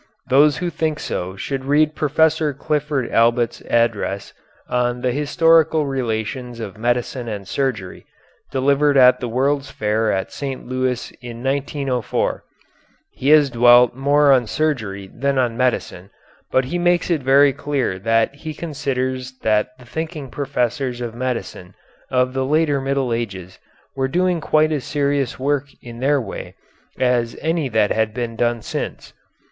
Those who think so should read Professor Clifford Allbutt's address on the "Historical Relations of Medicine and Surgery" delivered at the World's Fair at St. Louis in 1904. He has dwelt more on surgery than on medicine, but he makes it very clear that he considers that the thinking professors of medicine of the later Middle Ages were doing quite as serious work in their way as any that has been done since.